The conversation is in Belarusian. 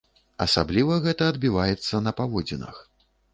Асабліва гэта адбіваецца на паводзінах!